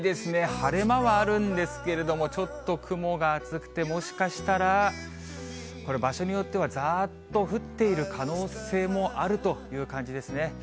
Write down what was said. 晴れ間はあるんですけれども、ちょっと雲が厚くて、もしかしたらこれ、場所によってはざーっと降っている可能性もあるという感じですね。